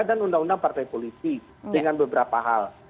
dan undang undang partai polisi dengan beberapa hal